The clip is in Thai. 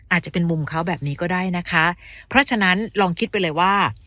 อาจจะเป็นมุมเขาแบบนี้ก็ได้นะคะเพราะฉะนั้นลองคิดไปเลยว่า